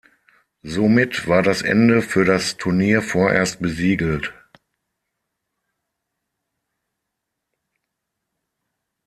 Somit war das Ende für das Turnier vorerst besiegelt.